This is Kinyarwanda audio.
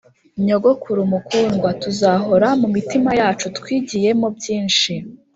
nyogokuru mukundwa, tuzahora mumitima yacu twigiyemo byinshi,